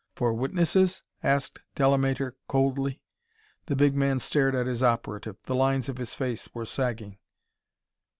"For witnesses?" asked Delamater coldly. The big man stared at his operative; the lines of his face were sagging.